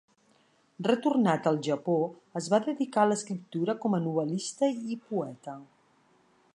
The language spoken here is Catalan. Retornat al Japó es va dedicar a l'escriptura com a novel·lista i poeta.